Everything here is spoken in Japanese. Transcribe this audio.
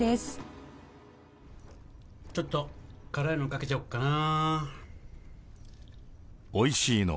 「ちょっと辛いのかけちゃおうかな」